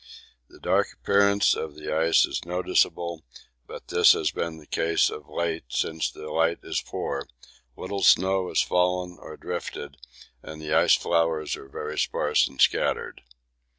The dark appearance of the ice is noticeable, but this has been the case of late since the light is poor; little snow has fallen or drifted and the ice flowers are very sparse and scattered.